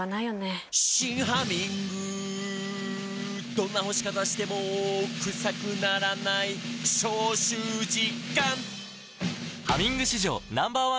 「どんな干し方してもクサくならない」「消臭実感！」